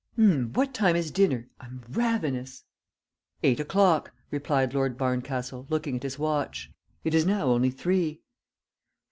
What time is dinner? I'm ravenous." "Eight o'clock," replied Lord Barncastle, looking at his watch. "It is now only three."